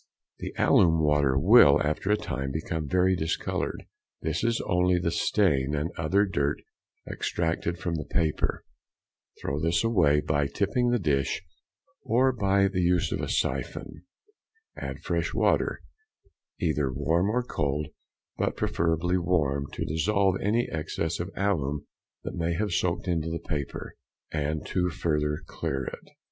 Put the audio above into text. The alum water will, after a time, become very discoloured; this is only the stain and other dirt extracted from the paper; throw this away by tipping the dish, or by the use of the syphon; add fresh water, either warm or cold, but preferably warm, to dissolve any excess of alum that may have soaked into the paper, and to further clear it.